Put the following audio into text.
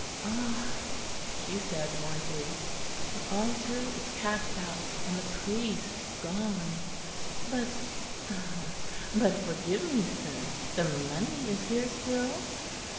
"Ah!" she said mournfully, "the altar is cast out and the priest gone; but but forgive me, sir, the money is here still?